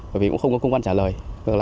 bởi vì cũng không có công an trả lời